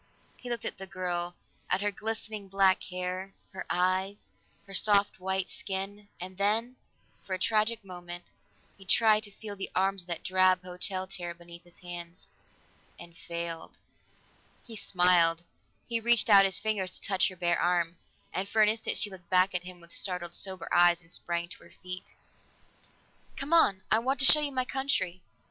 He looked at the girl, at her glistening black hair, her eyes, her soft white skin, and then, for a tragic moment, he tried to feel the arms of that drab hotel chair beneath his hands and failed. He smiled; he reached out his fingers to touch her bare arm, and for an instant she looked back at him with startled, sober eyes, and sprang to her feet. "Come on! I want to show you my country."